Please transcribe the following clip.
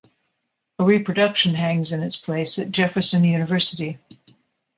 A reproduction hangs in its place at Jefferson University.